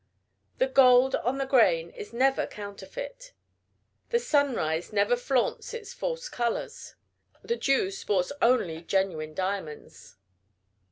The gold on the grain is never counterfeit. The sunrise never flaunts in false colors. The dew sports only genuine diamonds.